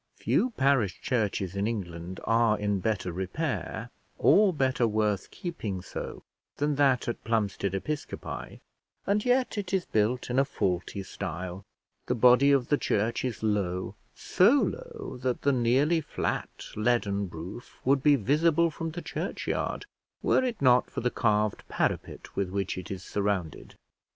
Few parish churches in England are in better repair, or better worth keeping so, than that at Plumstead Episcopi; and yet it is built in a faulty style: the body of the church is low, so low, that the nearly flat leaden roof would be visible from the churchyard, were it not for the carved parapet with which it is surrounded.